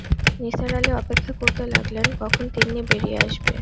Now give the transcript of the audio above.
নিসার আলি অপেক্ষা করতে লাগলেন, কখন তিন্নি বেরিয়ে আসবে।